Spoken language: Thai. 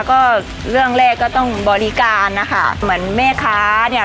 ก็เรื่องแรกก็ต้องบริการนะคะเหมือนแม่ค้าเนี่ย